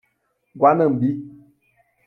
Guanambi